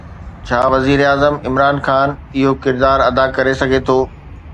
ڇا وزيراعظم عمران خان اهو ڪردار ادا ڪري سگهي ٿو؟